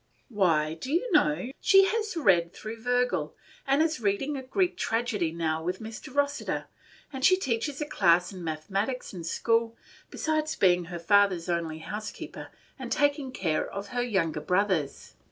Why, do you know, she has ready through Virgil, and is reading a Greek tragedy now with Mr. Rossiter; and she teaches a class in mathematics in school, besides being her father's only housekeeper, and taking care of her younger brothers.